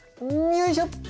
よいしょ！